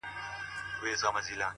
د هيندارو يوه لار کي يې ويده کړم;